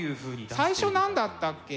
最初何だったっけ？